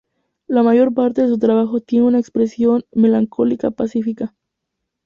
La mayor parte de su trabajo tiene una expresión melancólica pacífica.